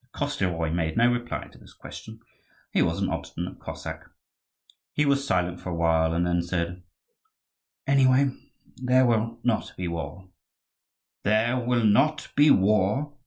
The Koschevoi made no reply to this question. He was an obstinate Cossack. He was silent for a while, and then said, "Anyway, there will not be war." "There will not be war?"